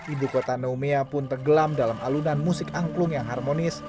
ibu kota numea pun tenggelam dalam alunan musik angklung yang harmonis